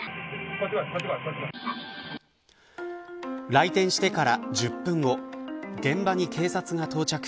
来店してから１０分後現場に警察が到着。